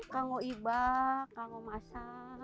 kamu ibak kamu masak